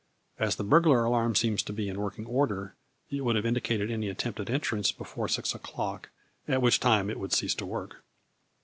As the burglar alarm seems to be in working order, it would have indicated any attempted entrance before six o'clock, at which time it would cease to work.